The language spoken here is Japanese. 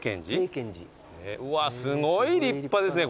うわすごい立派ですね